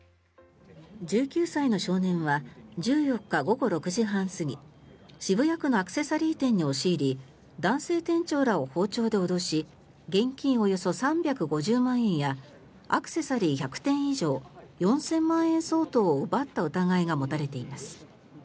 １９歳の少年は１４日午後６時半過ぎ渋谷区のアクセサリー店に押し入り男性店長らを包丁で脅し現金およそ３５０万円やアクセサリー１００点以上４０００万円相当を奪った疑いが持たれています。